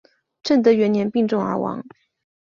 正德元年病重而亡。